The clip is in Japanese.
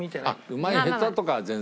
うまい下手とかは全然。